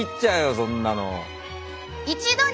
そんなの。